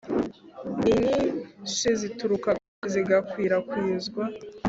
Inyinshi zituruka kandi zigakwirakwizwa